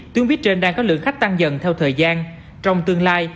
tuyến buýt trên đang có lượng khách tăng dần theo thời gian trong tương lai